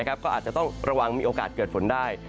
ก็อาจจะต้องระวังมีโอกาสเกิดฝนได้